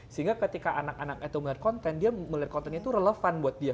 sehingga ketika anak anak itu melihat konten dia melihat kontennya itu relevan buat dia